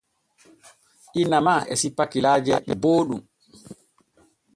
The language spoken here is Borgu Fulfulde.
Inna ma e sippa kilaaje booɗɗum.